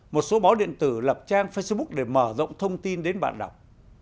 một số báo điện tử lập trang facebook để mở rộng thông tin đến bạn đọc